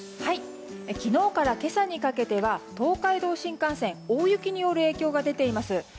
昨日から今朝にかけては東海道新幹線大雪による影響が出ています。